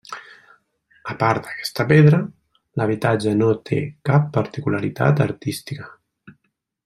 A part d'aquesta pedra, l'habitatge no té cap particularitat artística.